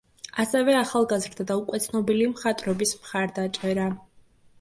ასევე ახალგაზრდა და უკვე ცნობილი მხატვრების მხარდაჭრა.